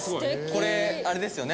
これあれですよね。